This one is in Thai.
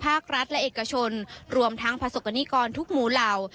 ภาครัฐและเอกชนรวมทั้งประสบกรณิกรทุกหมู่เหล่า